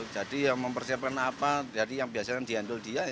jadi yang mempersiapkan apa jadi yang biasanya diandung dia